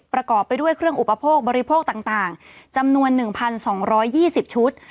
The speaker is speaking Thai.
ประกอบไปด้วยเครื่องอุปโภคบริโภคต่างต่างจำนวนหนึ่งพันสองร้อยยี่สิบชุด